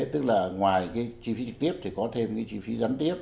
tức là ngoài chi phí trực tiếp thì có thêm chi phí giám tiếp